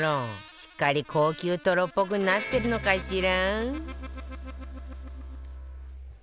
しっかり高級トロっぽくなってるのかしら？